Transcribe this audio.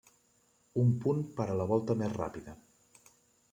Un punt per la volta més ràpida.